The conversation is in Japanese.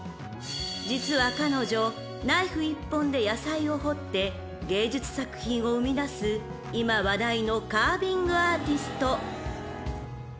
［実は彼女ナイフ一本で野菜を彫って芸術作品を生みだす今話題のカービングアーティスト］